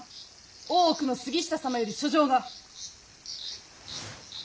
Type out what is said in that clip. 大奥の杉下様より書状が。